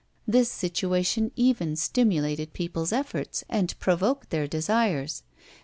This situation even stimulated people's efforts, and provoked their desires.